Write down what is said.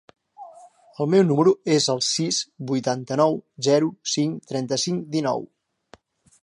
El meu número es el sis, vuitanta-nou, zero, cinc, trenta-cinc, dinou.